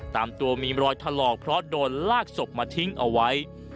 ตามตัวมีรอยถลอกเพราะโดนลากศพมาทิ้งเอาไว้